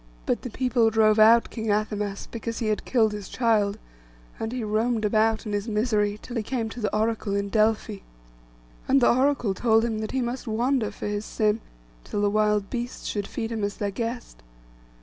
But the people drove out King Athamas, because he had killed his child; and he roamed about in his misery, till he came to the Oracle in Delphi. And the Oracle told him that he must wander for his sin, till the wild beasts should feast him as their guest.